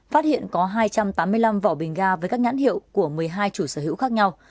phát hiện có hai trăm tám mươi năm vỏ bình ga với các nhãn hiệu của một mươi hai chủ sở hữu khác nhau